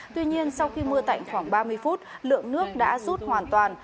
tuy nhiên sau khi mưa tạnh khoảng ba mươi phút lượng nước đã rút hoàn toàn